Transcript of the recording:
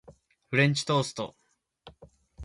フレンチトースト